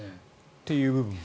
という部分も。